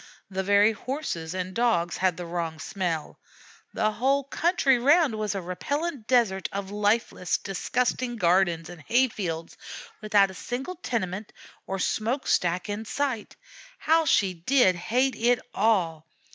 The very Horses and Dogs had the wrong smells; the whole country round was a repellent desert of lifeless, disgusting gardens and hay fields, without a single tenement or smoke stack in sight. How she did hate it all!